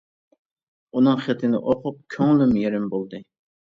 ئۇنىڭ خېتىنى ئوقۇپ، كۆڭلۈم يېرىم بولدى.